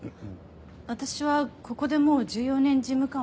私はここでもう１４年事務官をやっています。